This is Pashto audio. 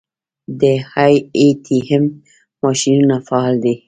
د ای ټي ایم ماشینونه فعال دي؟